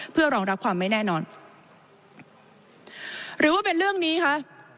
เพื่อรองรับความไม่แน่นอนหรือว่าเป็นเรื่องนี้คะ